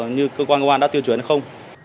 như cơ quan công an đã tiêu chuẩn hay không